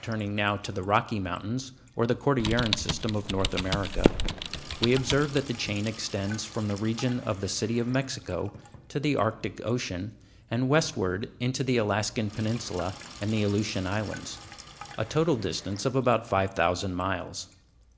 Turning now to the Rocky Mountains or the Cordilleran System of North America, we observe that the chain extends from the region of the City of Mexico to the Arctic Ocean, and westward into the Alaskan Peninsula and the Aleutian Islands, a total distance of about five thousand miles.